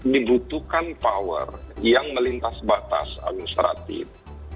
dibutuhkan power yang melintas batas administratif